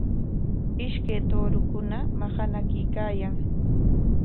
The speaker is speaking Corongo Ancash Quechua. Ishkay tuurukuna maqanakuykaayan.